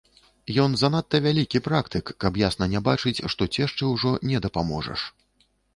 Ён занадта вялікі практык, каб ясна не бачыць, што цешчы ўжо не дапаможаш.